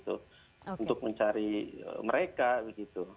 untuk mencari mereka begitu